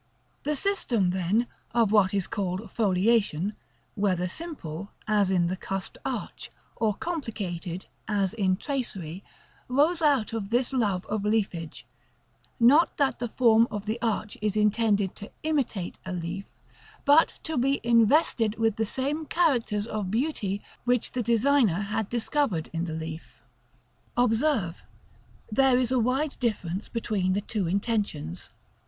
The system, then, of what is called Foliation, whether simple, as in the cusped arch, or complicated, as in tracery, rose out of this love of leafage; not that the form of the arch is intended to imitate a leaf, but to be invested with the same characters of beauty which the designer had discovered in the leaf. Observe, there is a wide difference between these two intentions.